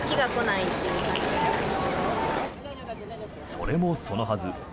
それもそのはず。